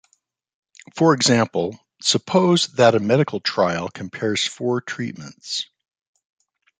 For example, suppose that a medical trial compares four treatments.